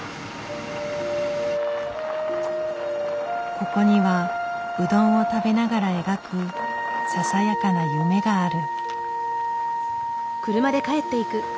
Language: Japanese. ここにはうどんを食べながら描くささやかな夢がある。